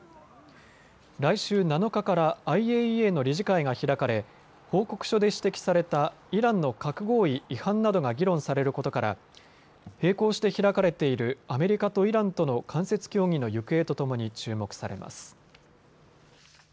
来週７日からＩＡＥＡの理事会が開かれ報告書で指摘されたイランの核合意違反などが議論されることから並行して開かれているアメリカとイランとの間接協議の行方とともに注目されます。